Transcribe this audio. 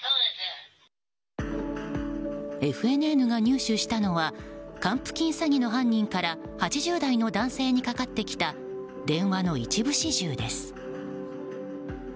ＦＮＮが入手したのは還付金詐欺の犯人から８０代の男性にかかってきた電話の一部始終です。